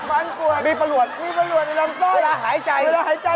วิ่งเวียนอยู่ในประชาชน์